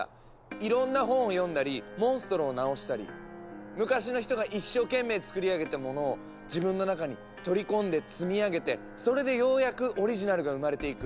いろんな本を読んだりモンストロを治したり昔の人が一生懸命つくりあげたものを自分の中に取り込んで積み上げてそれでようやくオリジナルが生まれていく。